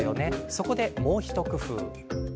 そこで、もう一工夫。